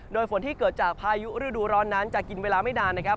โดยฝนที่เกิดจากพายุฤดูร้อนนั้นจะกินเวลาไม่นานนะครับ